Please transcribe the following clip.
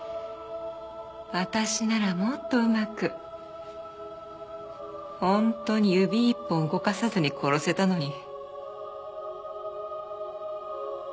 私ならもっとうまく本当に指一本動かさずに殺せたのに。